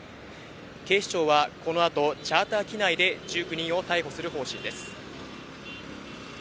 警視庁はこのあと、チャーター機内で１９人を逮捕する方針です。